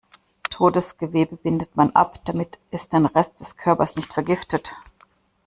Totes Gewebe bindet man ab, damit es den Rest der Körpers nicht vergiftet.